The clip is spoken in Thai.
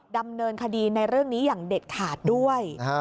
ดำเนินคดีในเรื่องนี้อย่างเด็ดขาดด้วย